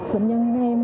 bệnh nhân em